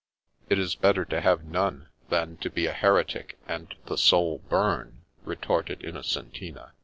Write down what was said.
" It is better to have none than to be a heretic, and the soul burn," retorted Innocentina.